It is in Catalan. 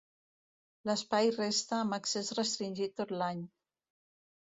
L’espai resta amb accés restringit tot l’any.